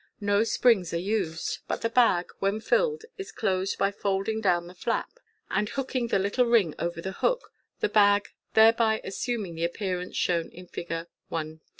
No springs art used, but the bag, when filled, is closed by folding down the flap, and hooking the little ring over the hook, the bag thereby assuming the appearance shown in Fig. no.